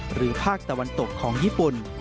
ภาคตะวันตกของญี่ปุ่น